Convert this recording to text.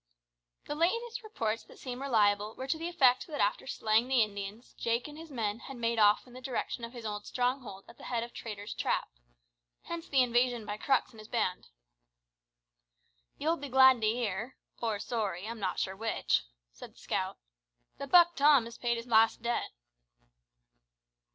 The latest reports that seemed reliable were to the effect that, after slaying the Indians, Jake and his men had made off in the direction of his old stronghold at the head of Traitor's Trap. Hence the invasion by Crux and his band. "You'll be glad to hear or sorry, I'm not sure which " said the scout, "that Buck Tom has paid his last debt."